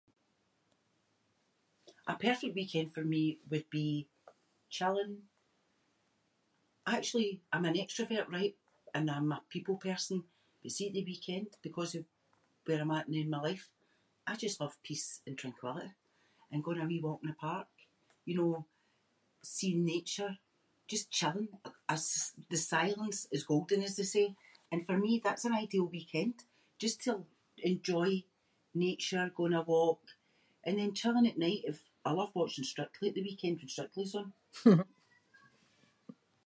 A perfect weekend for me would be chilling. Actually, I’m an extrovert, right, and I’m a people person, but see at the weekend, because of where I’m at noo in my life, I just love peace and tranquility and going a wee walk in the park, you know, seeing nature, just chilling. The silence is golden as they say, and for me that’s an ideal weekend. Just to enjoy nature, going a walk, and then chilling at night if- I love watching Strictly at the weekend when Strictly’s on.